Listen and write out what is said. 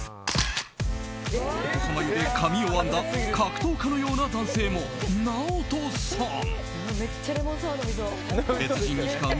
細眉で髪を編んだ格闘家のような男性もＮＡＯＴＯさん。